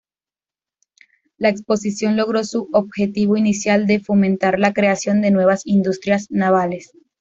La exposición logró su objetivo inicial de fomentar la creación de nuevas industrias navales.